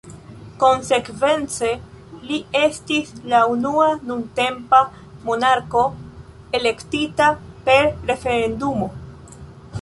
Konsekvence, li estis la unua nuntempa monarko elektita per referendumo.